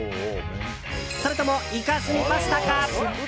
それとも、イカスミパスタか。